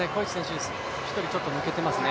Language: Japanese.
１人、ちょっと抜けていますね。